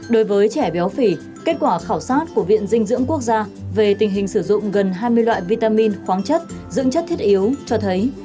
đối với trẻ béo phì kết quả khảo sát của viện dinh dưỡng quốc gia về tình hình sử dụng gần hai mươi loại vitamin khoáng chất dưỡng chất thiết yếu cho thấy